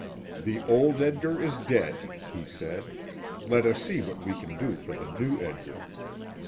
"The old Edgar is dead," he said; "let us see what we can do for the new Edgar."